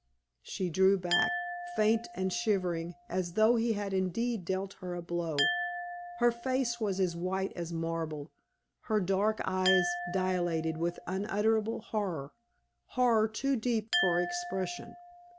She drew back, faint and shivering, as though he had indeed dealt her a blow; her face was as white as marble, her dark eyes dilated with unutterable horror horror too deep for expression.